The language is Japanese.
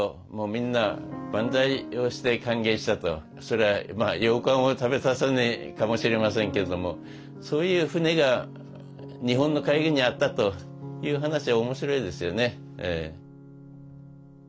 それはようかんを食べたさにかもしれませんけどもそういう船が日本の海軍にあったという話は面白いですよね。